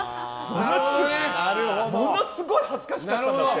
ものすごい恥ずかしかったんだって。